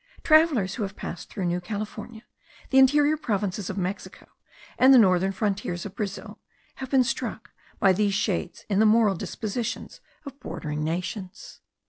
Travellers who have passed through New California, the interior provinces of Mexico, and the northern frontiers of Brazil, have been struck by these shades in the moral dispositions of bordering nations.